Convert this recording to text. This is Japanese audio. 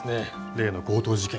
例の強盗事件。